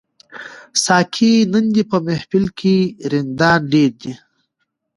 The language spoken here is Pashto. ساقي نن دي په محفل کي رندان ډیر دي